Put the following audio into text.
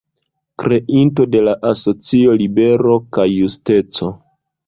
Kreinto de la asocio "Libero kaj Justeco".